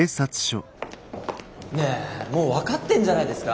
ねえもう分かってんじゃないですか？